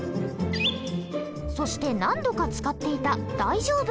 そして何度か使っていた「大丈夫」。